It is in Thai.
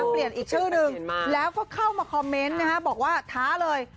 เปลี่ยนอีกชื่อนึงแล้วก็เข้ามาคอมเมนต์นะฮะบอกว่าท้าเลย